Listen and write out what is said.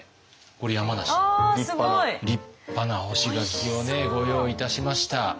これ山梨の立派な立派な干し柿をねご用意いたしました。